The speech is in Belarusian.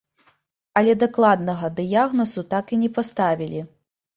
Але дакладнага дыягназу так і не паставілі.